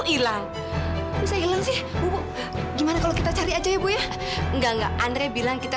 hilang bisa hilang sih bu gimana kalau kita cari aja ya bu ya enggak enggak andre bilang kita